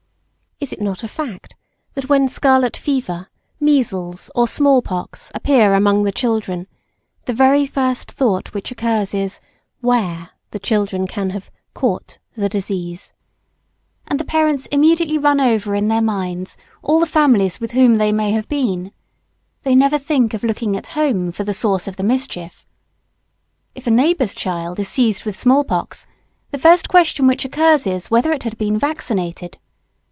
Is it not a fact, that when scarlet fever, measles, or small pox appear among the children, the very first thought which occurs is, "where" the children can have "caught" the disease? And the parents immediately run over in their minds all the families with whom they may have been. They never think of looking at home for the source of the mischief. If a neighbour's child is seized with small pox, the first question which occurs is whether it had been vaccinated.